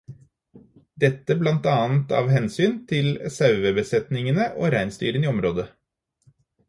Dette blant annet av hensyn til sauebesetningene og reinsdyrene i området.